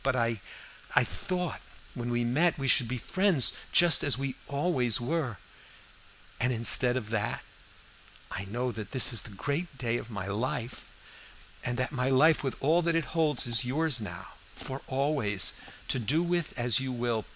But I thought when we met we should be friends just as we always were, and instead of that I know that this is the great day of my life, and that my life with all that it holds is yours now, for always, to do with as you will.